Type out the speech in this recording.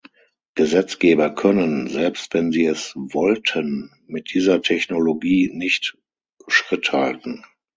Gesetzgeber können, selbst wenn sie es wollten, mit dieser Technologie nicht Schritt halten.